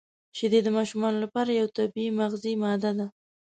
• شیدې د ماشومانو لپاره یو طبیعي مغذي ماده ده.